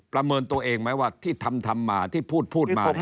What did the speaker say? ประเมินตัวเองไหมว่าที่ทำมาที่พูดมา